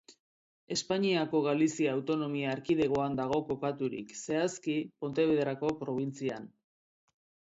Espainiako, Galizia autonomia erkidegoan dago kokaturik, zehazki, Pontevedrako probintzian.